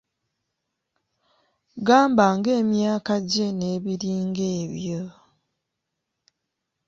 Gamba ng’emyaka gye n’ebiringa ebyo.